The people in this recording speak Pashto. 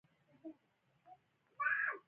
خو د هغه په اړه پریکړه وکړه.